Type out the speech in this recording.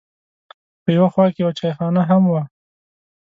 په یوه خوا کې یوه چایخانه هم وه.